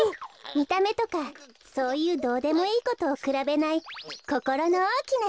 みためとかそういうどうでもいいことをくらべないこころのおおきなひとがすき。